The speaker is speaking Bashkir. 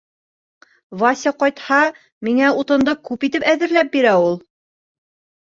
Вася ҡайтһа, миңә утынды күп итеп әҙерләп бирә ул.